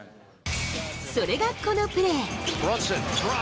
それがこのプレー。